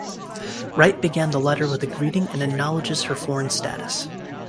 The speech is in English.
Wright began the letter with a greeting and acknowledges her foreign status.